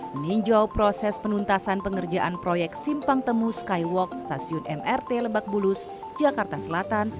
meninjau proses penuntasan pengerjaan proyek simpang temu skywalk stasiun mrt lebak bulus jakarta selatan